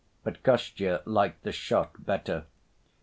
But Kostya liked the shot better.